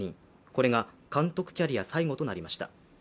これが監督キャリア最後となりました。